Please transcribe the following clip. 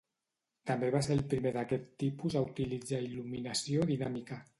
També va ser el primer d'aquest tipus a utilitzar il·luminació dinàmica.